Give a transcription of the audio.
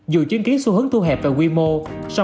dù chứng kiến xu hướng thu hẹp về quy mô